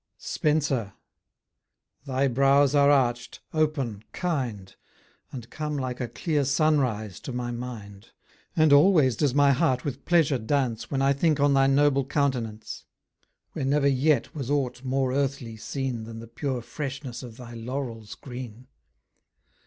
Spenser! thy brows are arched, open, kind, And come like a clear sun rise to my mind; And always does my heart with pleasure dance, When I think on thy noble countenance: Where never yet was ought more earthly seen Than the pure freshness of thy laurels green.